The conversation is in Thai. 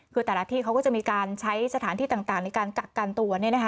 คือแต่ละที่เขาก็จะมีการใช้สถานที่ต่างในการกักกันตัว